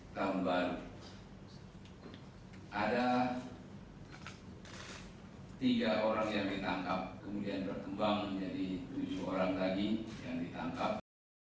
pelaku di jawa tengah dikutuk oleh pemerintah jawa tengah